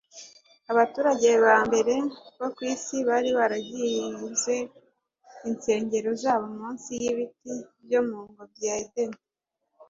Abaturage ba mbere bo ku isi bari baragize insengero zabo munsi y'ibiti byo mu ngobyi ya Edeni.